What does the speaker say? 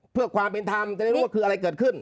เพื่อความเป็นธรรมจะได้รู้ว่าคืออะไรเกิดขึ้น